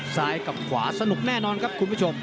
ซ้ายกับขวาสนุกแน่นอนครับคุณผู้ชม